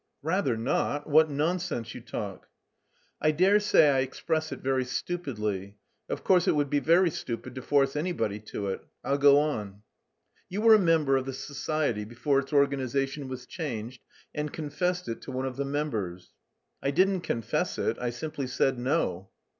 "Rather not; what nonsense you talk." "I dare say I express it very stupidly. Of course, it would be very stupid to force anybody to it. I'll go on. You were a member of the society before its organisation was changed, and confessed it to one of the members." "I didn't confess it, I simply said so."